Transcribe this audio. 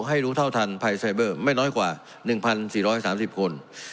ให้รู้เท่าทันภัยไซเบอร์ไม่น้อยกว่า๑๔๓๐คน